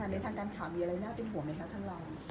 ในทางการข่าวมีอะไรน่าเป็นห่วงไหมคะข้างเรา